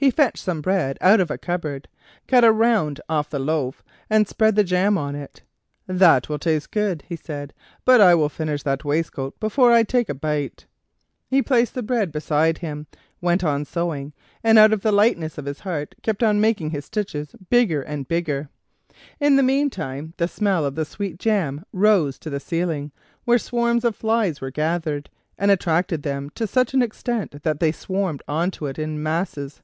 He fetched some bread out of a cupboard, cut a round off the loaf, and spread the jam on it. "That will taste good," he said; "but I'll finish that waistcoat first before I take a bite." He placed the bread beside him, went on sewing, and out of the lightness of his heart kept on making his stitches bigger and bigger. In the meantime the smell of the sweet jam rose to the ceiling, where swarms of flies were gathered, and attracted them to such an extent that they swarmed on to it in masses.